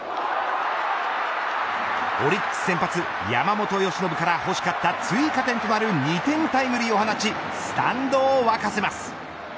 オリックス先発、山本由伸から欲しかった追加点となる２点タイムリーを放ちスタンドを沸かせます。